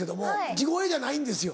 地声じゃないんですよ